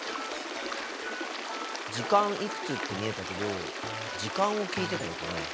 「時間いくつ」って見えたけど時間を聞いてたのかな？